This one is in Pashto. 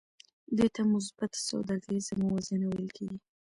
دې ته مثبته سوداګریزه موازنه ویل کېږي